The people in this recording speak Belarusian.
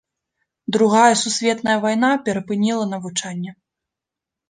Другая сусветная вайна перапыніла навучанне.